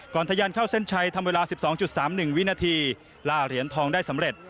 ทะยันเข้าเส้นชัยทำเวลา๑๒๓๑วินาทีล่าเหรียญทองได้สำเร็จ